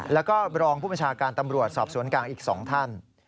แล้วก็รองผู้บัญชาการตำรวจสอบสวนกลางอีก๒ท่าน